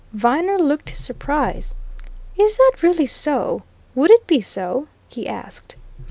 Viner looked his surprise. "Is that really so would it be so?" he asked.